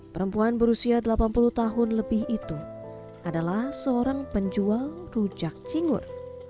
perempuan berusia delapan puluh tahun lebih itu adalah seorang penjual rujak cingur